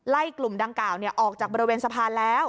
กลุ่มดังกล่าวออกจากบริเวณสะพานแล้ว